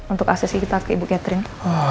untuk aksesi kita ke ibu catering